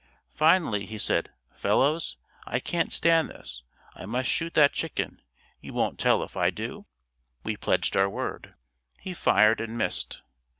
Finally, he said, "Fellows, I can't stand this, I must shoot that chicken, you won't tell if I do?" We pledged our word. He fired and missed.